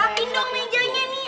lapin dong mejanya nih